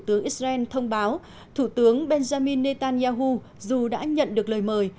tướng israel thông báo thủ tướng benjamin netanyahu dù đã nhận được lời mời